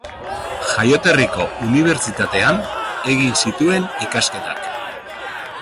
Jaioterriko unibertsitatean egin zituen ikasketak.